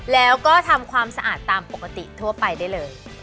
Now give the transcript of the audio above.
แล้วก็ทำความสะอาดตามปกติทั่วไปได้เลย